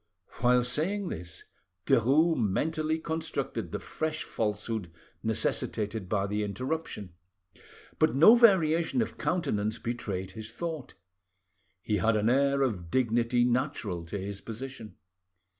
While saying this Derues mentally constructed the fresh falsehood necessitated by the interruption, but no variation of countenance betrayed his thought. He had an air of dignity natural to his position.